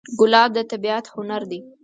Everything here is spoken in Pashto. ګلاب د طبیعت هنر دی.